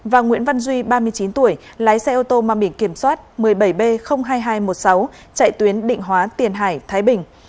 và nguyễn văn duy ba mươi chín tuổi lái xe ô tô mang biển kiểm soát một mươi bảy b hai nghìn hai trăm một mươi sáu chạy tuyến định hóa tiền hải thái bình